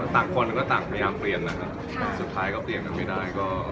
ต่างคนก็ต่างพยายามเปลี่ยนนะครับแต่สุดท้ายก็เปลี่ยนกันไม่ได้ก็